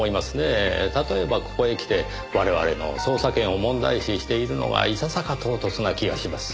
例えばここへ来て我々の捜査権を問題視しているのはいささか唐突な気がします。